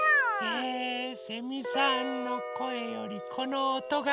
えセミさんのこえよりこのおとがすき。